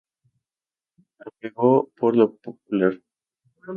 Apego por lo popular.